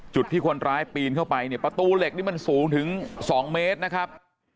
จุดที่คนร้ายปีนเข้าไปเนี่ยประตูเหล็กนี่มันสูงถึง๒เมตรนะครับ